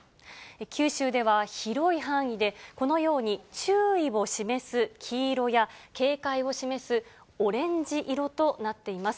九州では広い範囲で、このように注意を示す黄色や警戒を示すオレンジ色となっています。